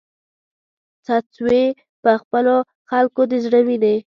څڅوې په خپلو خلکو د زړه وینې